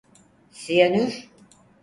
Siyanür…